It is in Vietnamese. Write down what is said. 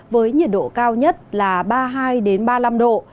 với nhiệt độ cao nhất là ba mươi hai ba mươi năm độ